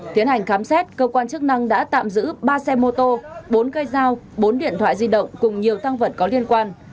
tiến hành khám xét cơ quan chức năng đã tạm giữ ba xe mô tô bốn cây dao bốn điện thoại di động cùng nhiều tăng vật có liên quan